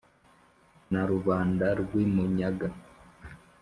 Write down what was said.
Na Rubanda rw’i Munyaga